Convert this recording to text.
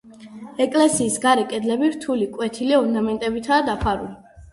ეკლესიის გარე კედლები რთული კვეთილი ორნამენტებითაა დაფარული.